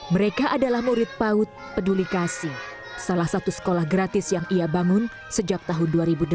mereka adalah murid paut peduli kasih salah satu sekolah gratis yang ia bangun sejak tahun dua ribu delapan